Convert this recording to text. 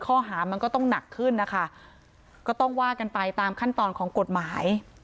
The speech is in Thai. ข้อหามันก็ต้องหนักขึ้นนะคะก็ต้องว่ากันไปตามขั้นตอนของกฎหมาย